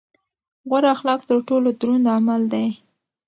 غوره اخلاق تر ټولو دروند عمل دی.